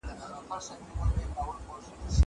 زه اجازه لرم چي سبزېجات وچوم.